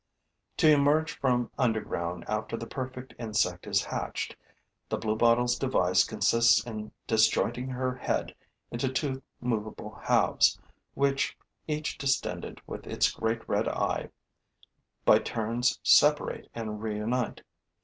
To emerge from underground after the perfect insect is hatched, the bluebottle's device consists in disjointing her head into two movable halves, which, each distended with its great red eye, by turns separate and reunite.